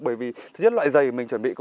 bởi vì thứ nhất loại giày mình chuẩn bị